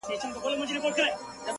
o زما خبري خدايه بيرته راکه ـ